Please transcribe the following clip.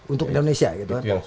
untuk indonesia gitu kan